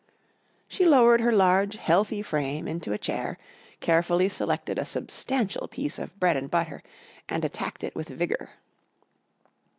She lowered her large, healthy frame into a chair, carefully selected a substantial piece of bread and butter and attacked it with vigour.